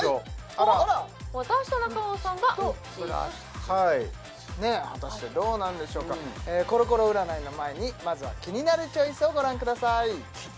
あら私と中尾さんがンッチ果たしてどうなんでしょうかまずはキニナルチョイスをご覧ください